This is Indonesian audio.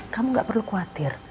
kamu nggak perlu khawatir